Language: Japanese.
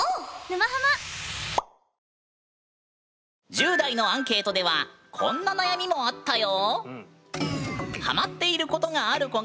１０代のアンケートではこんな悩みもあったよ。